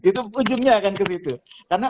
itu ujungnya akan ke situ karena